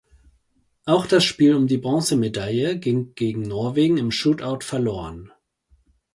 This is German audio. Auch das Spiel um die Bronzemedaille ging gegen Norwegen im Shootout verloren.